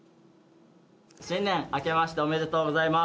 新年あけましておめでとうございます。